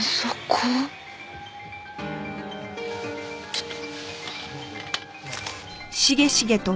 ちょっと。